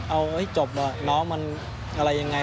เอาให้จบน้องมันอะไรยังไง